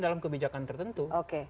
dalam kebijakan tertentu